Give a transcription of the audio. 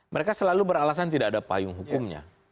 mereka selalu beralasan tidak ada payung hukumnya